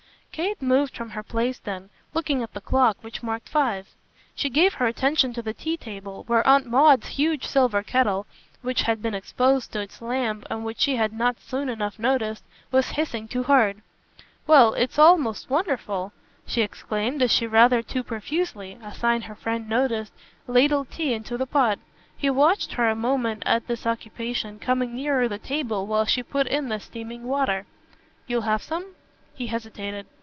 Kate moved from her place then, looking at the clock, which marked five. She gave her attention to the tea table, where Aunt Maud's huge silver kettle, which had been exposed to its lamp and which she had not soon enough noticed, was hissing too hard. "Well, it's all most wonderful!" she exclaimed as she rather too profusely a sign her friend noticed ladled tea into the pot. He watched her a moment at this occupation, coming nearer the table while she put in the steaming water. "You'll have some?" He hesitated.